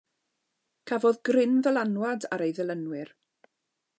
Cafodd gryn ddylanwad ar ei ddilynwyr.